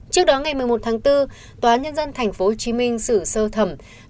trước đó ngày một mươi một tháng bốn tòa nhân dân tp hcm xử sơ thẩm